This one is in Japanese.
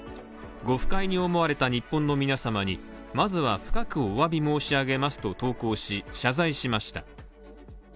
ご不快に思われた日本の皆様にまずは深くお詫び申し上げますと投稿し、謝罪しました。